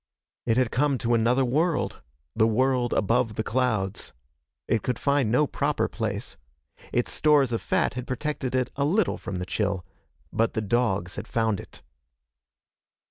It had come to another world the world above the clouds. It could find no proper place. Its stores of fat had protected it a little from the chill. But the dogs had found it.